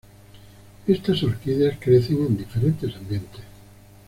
Estas orquídeas crecen en diferentes ambientes.